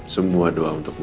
semua doa untuk mama